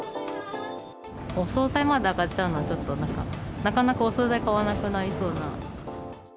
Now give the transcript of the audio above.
お総菜まで上がっちゃうのは、ちょっと、なかなかお総菜、買わなくなりそうな。